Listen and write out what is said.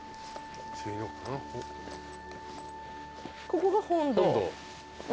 ここが本堂。